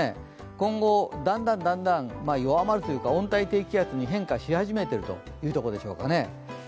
今後、だんだん弱まるというか、温帯低気圧に変化し始めているというところでしょうか。